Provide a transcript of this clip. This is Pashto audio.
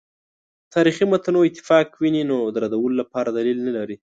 تاریخي متونو اتفاق ویني نو د ردولو لپاره دلیل نه لري.